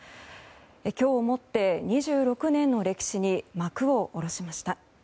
今日をもって２６年の歴史に幕を下ろしました。